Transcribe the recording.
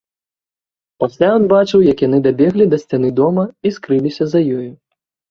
Пасля ён бачыў, як яны дабеглі да сцяны дома і скрыліся за ёю.